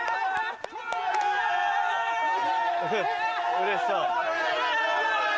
うれしそう。